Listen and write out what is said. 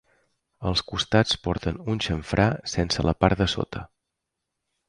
Els costats porten un xamfrà sense la part de sota.